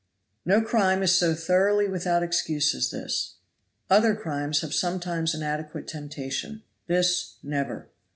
"No crime is so thoroughly without excuse as this. Other crimes have sometimes an adequate temptation, this never.